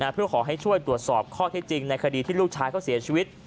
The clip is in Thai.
เพื่อขอให้ช่วยตรวจสอบข้อเท็จจริงในคดีที่ลูกชายเขาเสียชีวิต